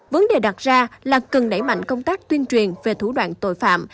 vấn đề đặt ra là cần đẩy mạnh công tác tuyên truyền về thủ đoạn tội phạm